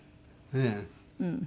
ええ。